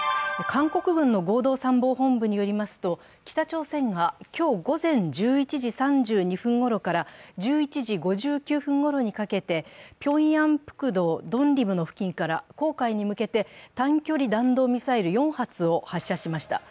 韓国軍の合同参謀本部によりますと北朝鮮が今日午前１１時３２分ごろから１１時５９分ごろにかけてピョンヤンプクド・ドンリムの付近から黄海に向けて短距離弾道ミサイル４発を発射しました。